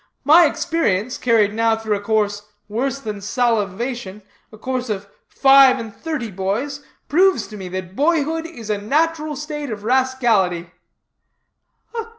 My experience, carried now through a course worse than salivation a course of five and thirty boys, proves to me that boyhood is a natural state of rascality."